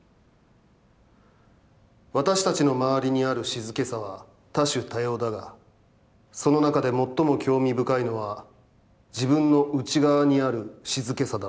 わたしたちのまわりにある静けさは多種多様だが、その中で最も興味深いのは自分の内側にある静けさだろう」。